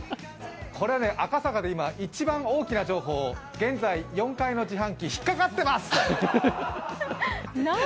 これは赤坂で今、一番大きな情報、現在４階の自販機、引っ掛かってます！